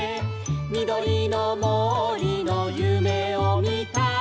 「みどりのもりのゆめをみた」